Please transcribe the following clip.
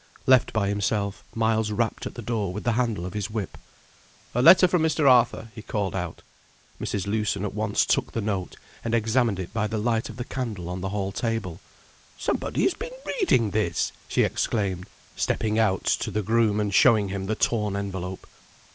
Left by himself, Miles rapped at the door with the handle of his whip. "A letter from Mr. Arthur," he called out. Mrs. Lewson at once took the note, and examined it by the light of the candle on the hall table. "Somebody has been reading this!" she exclaimed, stepping out to the groom, and showing him the torn envelope.